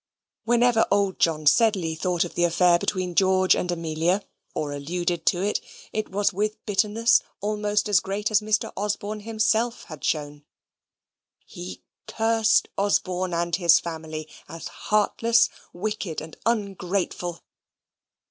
Whenever old John Sedley thought of the affair between George and Amelia, or alluded to it, it was with bitterness almost as great as Mr. Osborne himself had shown. He cursed Osborne and his family as heartless, wicked, and ungrateful.